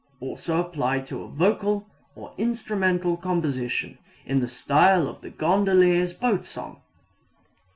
Also applied to a vocal or instrumental composition in the style of the gondolier's boat song.